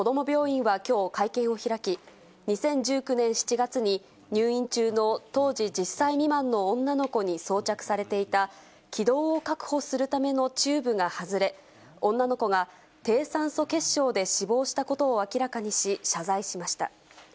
病院はきょう、会見を開き、２０１９年７月に、入院中の当時１０歳未満の女の子に装着されていた、気道を確保するためのチューブが外れ、女の子が低酸素血症で死亡したことを明らかにし、謝罪しました。